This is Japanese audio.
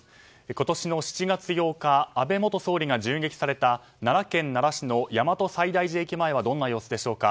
今年の７月８日安倍元総理が銃撃された奈良県奈良市の大和西大寺駅前はどんな様子でしょうか。